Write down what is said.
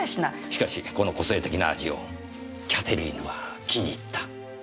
しかしこの個性的な味をキャテリーヌは気に入った。